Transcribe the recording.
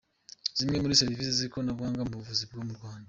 Zimwe muri serivisi z’ikoranabuhanga mu buvuzi bwo mu Rwanda.